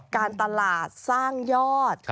การตลาดสร้างยอด